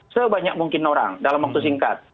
sebanyak mungkin orang dalam waktu singkat